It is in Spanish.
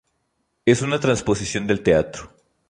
Es una transposición del teatro.